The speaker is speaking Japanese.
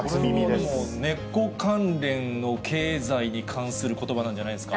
猫関連の経済に関することばなんじゃないですか。